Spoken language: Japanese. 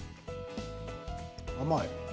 甘い。